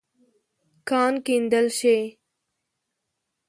کان کیندل شې.